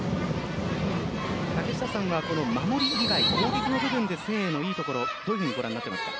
竹下さんは守り、攻撃の部分で誠英の良いところどういうふうにご覧になりますか？